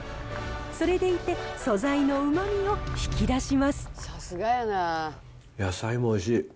それでいて、素材のうまみを引き野菜もおいしい。